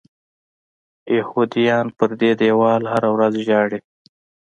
یهودیان پر دې دیوال هره ورځ ژاړي.